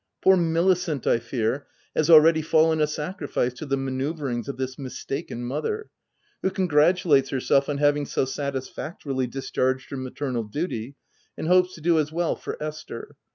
Poor Milicent, I fear, has already fallen a sacrifice to the manceuvrings of this mistaken mother, who congratulates herself on having so satis factorily discharged her maternal duty, and hopes to do as well for Esther.